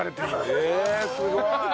すごいな。